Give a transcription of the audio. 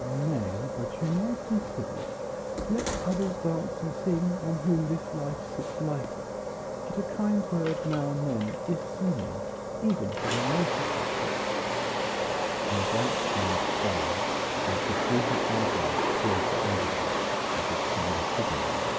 "Nay, but you might be civil. Let others dance and sing, on whom this life sits lighter; but a kind word now and then is seemly even from the most afflicted." Her dark eyes fell, and she drew her eyebrows closer over them, as if she would have hidden them.